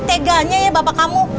teganya ya bapak kamu